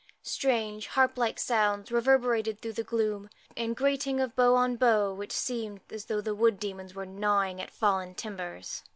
Strange harp like sounds reverberated through the gloom, and gratings of bough on bough, which seemed as though the wood demons were gnawing at fallen timbers.